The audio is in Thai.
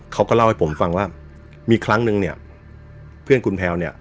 เขาก็เล่าให้ผมฟังว่ามีครั้งนึงเนี่ยเพื่อนคุณแพลวเนี่ย